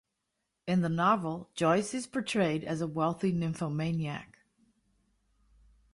In the novel, Joyce is portrayed as a wealthy nymphomaniac.